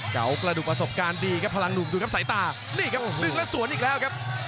เก่ากระดูกประสบการณ์ดีครับพลังหนุ่มดูครับสายตานี่ครับดึงแล้วสวนอีกแล้วครับ